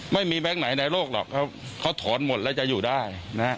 แบงค์ไหนในโลกหรอกเขาถอนหมดแล้วจะอยู่ได้นะฮะ